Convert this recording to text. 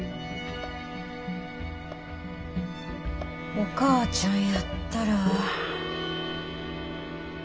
お母ちゃんやったら。